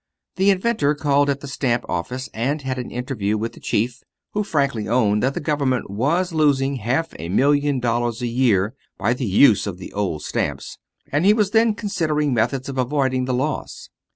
The inventor called at the stamp office and had an interview with the chief, who frankly owned that the government was losing half a million dollars a year by the use of old stamps; and he was then considering methods of avoiding the loss.